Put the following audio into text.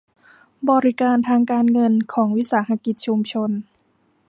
บริการทางการเงินของวิสาหกิจชุมชน